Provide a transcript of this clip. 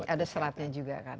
ada seratnya juga kan